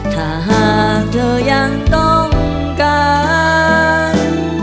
ถ้าหากเธอยังต้องการ